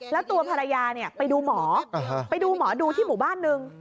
แล้วตัวภรรยาไปดูหมอไปดูหมอดูที่หมู่บ้านนึง